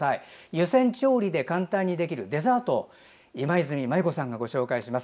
湯煎調理でできるデザートを今泉マユ子さんがご紹介します。